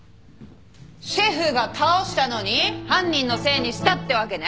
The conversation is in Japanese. シェフが倒したのに犯人のせいにしたってわけね。